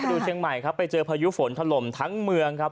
ดูเชียงใหม่ครับไปเจอพายุฝนถล่มทั้งเมืองครับ